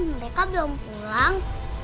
mereka belum pulang